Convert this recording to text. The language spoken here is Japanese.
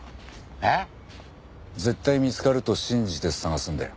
えっ？絶対見つかると信じて探すんだよ。